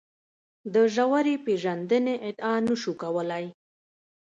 د ژورې پېژندنې ادعا نه شو کولای.